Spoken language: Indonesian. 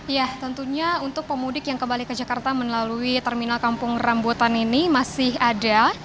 ya tentunya untuk pemudik yang kembali ke jakarta melalui terminal kampung rambutan ini masih ada